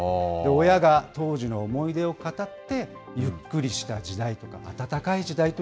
親が当時の思い出を語って、ゆっくりした時代とか、これか。